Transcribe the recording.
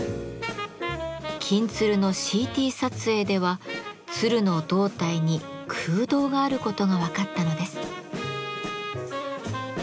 「金鶴」のＣＴ撮影では鶴の胴体に空洞があることが分かったのです。